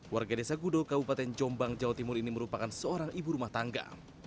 warga desa gudo kabupaten jombang jawa timur ini merupakan seorang ibu rumah tangga